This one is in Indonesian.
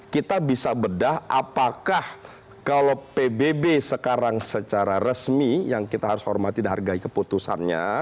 kita bisa bedah apakah kalau pbb sekarang secara resmi yang kita harus hormati dan hargai keputusannya